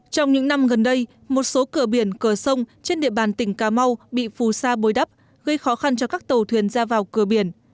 trong những năm gần đây một số cửa biển cửa sông trên địa bàn tỉnh cà mau bị phù sa bồi đắp gây khó khăn cho các tàu thuyền ra vào cửa biển